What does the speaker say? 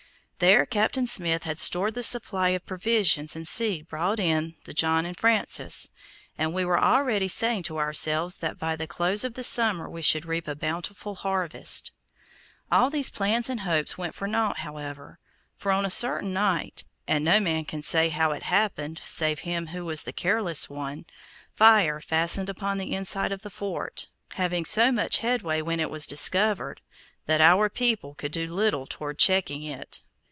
There Captain Smith had stored the supply of provisions and seed brought in the John and Francis, and we were already saying to ourselves that by the close of the summer we should reap a bountiful harvest. All these plans and hopes went for naught, however, for on a certain night and no man can say how it happened, save him who was the careless one fire fastened upon the inside of the fort, having so much headway when it was discovered, that our people could do little toward checking it.